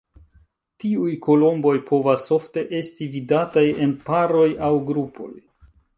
Tiuj kolomboj povas ofte esti vidataj en paroj aŭ grupoj.